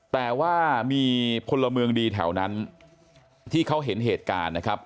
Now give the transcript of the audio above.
แต่ว่ามีพลเมืองดีแถวนั้นที่เขาเห็นเหตุการณ์นะครับ